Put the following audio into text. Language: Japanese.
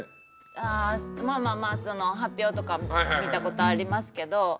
あまぁまぁまぁ発表とか見たことありますけど。